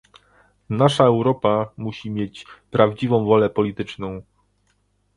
Nasza Europa musi mieć prawdziwą wolę polityczną